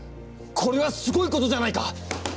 これはすごいことじゃないか！